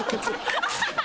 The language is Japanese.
ハハハハ！